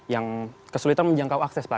yang kesulitan menjangkau akses pak